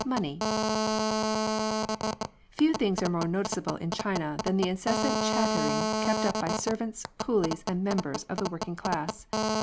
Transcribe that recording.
MONE V. Few things are more noticeable in China than the incessant chattering kept up by servants, coolies, and members of the working classes.